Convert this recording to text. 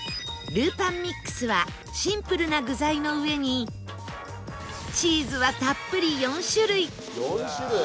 るーぱんミックスはシンプルな具材の上にチーズはたっぷり４種類